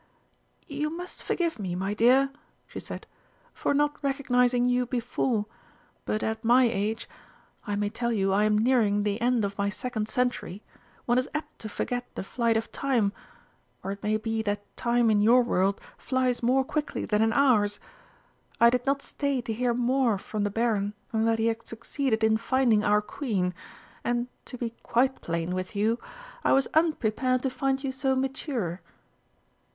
"You must forgive me, my dear," she said, "for not recognising you before. But at my age I may tell you I am nearing the end of my second century one is apt to forget the flight of Time. Or it may be that Time in your world flies more quickly than in ours. I did not stay to hear more from the Baron than that he had succeeded in finding our Queen, and, to be quite plain with you, I was unprepared to find you so mature."